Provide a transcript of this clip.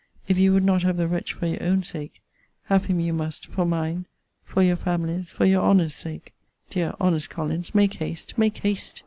If you would not have the wretch for your own sake; have him you must, for mine, for your family's, for your honour's, sake! Dear, honest Collins, make haste! make haste!